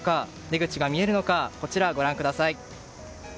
出口が見えるのかこちらをご覧ください。